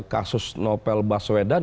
kasus nobel baswedan